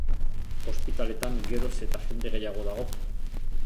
Ospitaletan geroz eta jende gehiago dago.